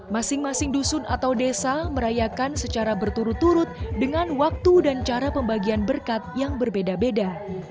masing masing dusun atau desa merayakan secara berturut turut dengan waktu dan cara pembagian berkat yang berbeda beda